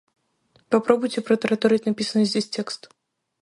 Попробуй протараторить написанный здесь текст.